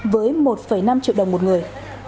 với một năm triệu đồng một người